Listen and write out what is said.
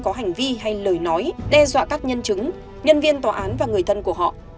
có hành vi hay lời nói đe dọa các nhân chứng nhân viên tòa án và người thân của họ